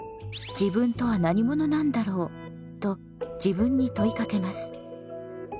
「自分とは何者なんだろう？」と自分に問いかけます。